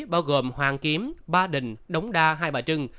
bao gồm hoàng kiếm ba đình đống đa hai bà trưng